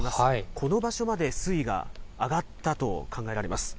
この場所まで水位が上がったと考えられます。